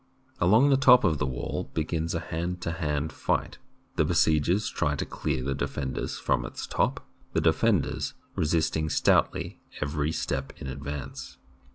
Along the top of the wall begins a hand to hand fight, the besiegers trying to clear the defenders from its top, the defenders resisting stoutly every step in advance.